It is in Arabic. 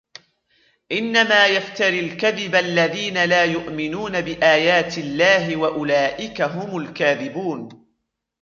إِنَّمَا يَفْتَرِي الْكَذِبَ الَّذِينَ لَا يُؤْمِنُونَ بِآيَاتِ اللَّهِ وَأُولَئِكَ هُمُ الْكَاذِبُونَ